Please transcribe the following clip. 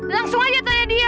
langsung aja tanya dia